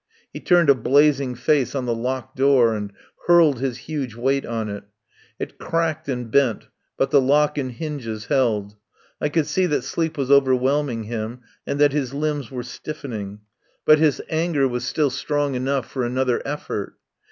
He turned a blazing face on the locked door and hurled his huge weight on it. It cracked and bent but the lock and hinges held. I could see that sleep was overwhelming him and that his limbs were stiffening, but his anger was still strong enough for another effort.